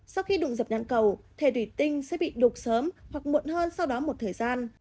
sau khi đụng dập cầu thể thủy tinh sẽ bị đục sớm hoặc muộn hơn sau đó một thời gian